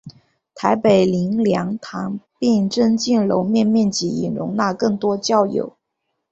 台北灵粮堂并增建楼面面积以容纳更多教友。